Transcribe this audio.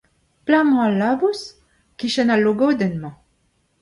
Pelec'h emañ al labous ? E-kichen al logodenn emañ.